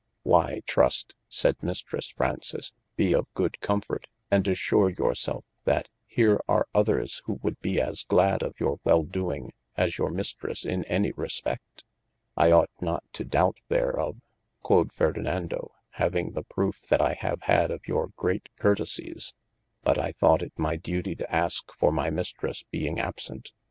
Why Trust (sayd Mistresse Fraunces) be of good comfort, & assure your selfe that here are others who would be as glad of your wel doing, as your mistres in any respe£t. I ought not to doubt there of (quod Ferdinado) having the profe that I have had of your great courtesies, but I thought it my dutye to aske for my mistresse being absent.